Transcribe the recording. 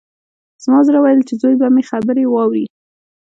زما زړه ویل چې زوی به مې خبرې واوري